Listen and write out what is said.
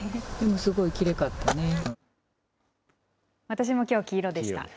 私もきょう、黄色でした。